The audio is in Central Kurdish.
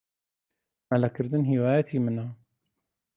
مەلەکردن هیوایەتی منە.